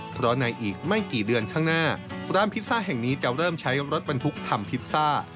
เพราะในอีกไม่กี่เดือนข้างหน้าร้านพิซซ่าแห่งนี้จะเริ่มใช้รถบรรทุกทำพิซซ่า